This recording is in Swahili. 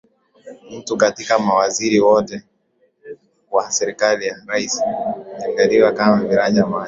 Mkuu Katika mawaziri wote wa serikali ya Rais Magufuli Majaliwa kama kiranja wa mawaziri